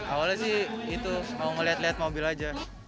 awalnya sih itu mau ngeliat liat mobil aja